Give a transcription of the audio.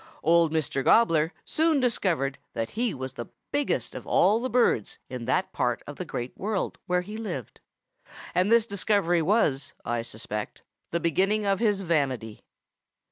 Old Mr. Gobbler soon discovered that he was the biggest of all the birds in that part of the Great World where he lived, and this discovery was, I suspect, the beginning of his vanity.